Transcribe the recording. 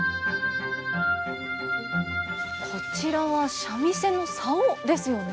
こちらは三味線の棹ですよね。